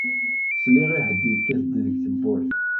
Sliɣ i ḥedd yekkat-d deg tewwurt.